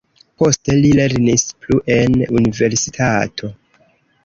Poste li lernis plu en universitato.